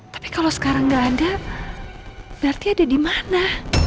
tapi kalo sekarang gak ada berarti ada di mana